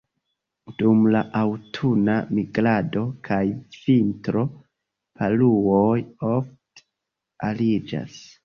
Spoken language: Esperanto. Dum la aŭtuna migrado kaj vintro, paruoj ofte ariĝas.